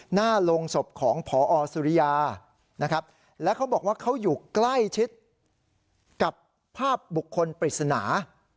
หน้าโรงศพของพอสุริยานะครับแล้วเขาบอกว่าเขาอยู่ใกล้ชิดกับภาพบุคคลปริศนา